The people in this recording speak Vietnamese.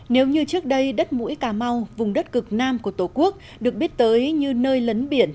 nếu như trước đây đất mũi cà mau vùng đất cực nam của tổ quốc được biết tới như nơi lấn biển